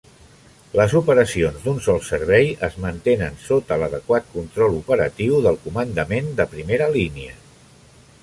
Les operacions d'un sol servei es mantenen sota l'adequat control operatiu del comandament de primera línia.